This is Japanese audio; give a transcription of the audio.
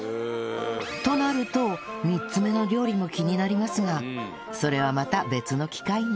となると３つ目の料理も気になりますがそれはまた別の機会に